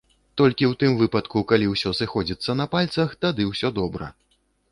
Толькі ў тым выпадку, калі ў іх усё сыходзіцца на пальцах, тады ўсё добра!